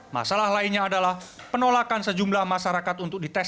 masalah lainnya adalah penolakan sejumlah masyarakat untuk dites